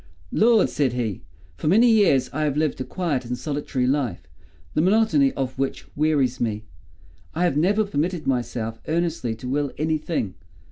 "Lord!" said he, "for many years I have lived a quiet and solitary life, the monotony of which wearies me. I have never permitted myself earnestly to will any thing.